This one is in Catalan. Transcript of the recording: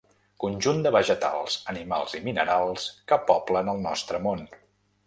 Conjunt de vegetals, animals i minerals que poblen el nostre món.